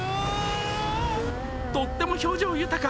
とっても表情豊か。